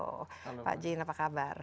halo pak jean apa kabar